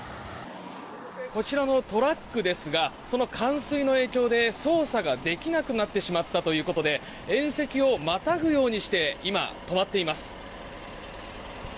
こちらのトラックですがその冠水の影響で操作ができなくなってしまったということで縁石をまたぐようにして今、止まっています。